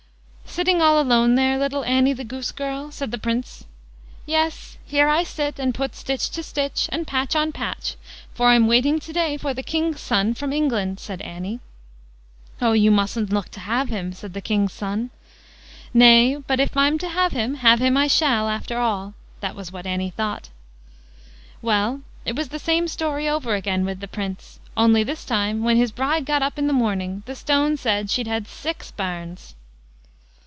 "Sitting all alone there, little Annie, the goose girl", said the Prince. "Yes, here I sit, and put stitch to stitch, and patch on patch; for I'm waiting to day for the king's son from England", said Annie. "Oh! you mustn't look to have him", said the king's son. "Nay, but if I'm to have him, have him I shall, after all"; that was what Annie thought. Well, it was the same story over again with the Prince; only this time, when his bride got up in the morning, the stone said she'd had six bairns.